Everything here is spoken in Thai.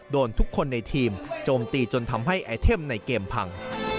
ทุกคนในทีมโจมตีจนทำให้ไอเทมในเกมพัง